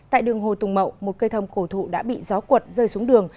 tại đường hồ tùng mậu một cây thông cổ thụ đã bị gió cuột rơi xuống đường